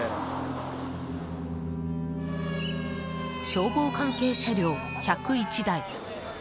消防関係車両１０１台。